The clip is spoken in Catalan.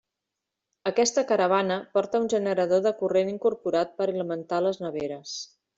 Aquesta caravana porta un generador de corrent incorporat per alimentar les neveres.